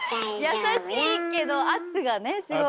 優しいけど圧がねすごい。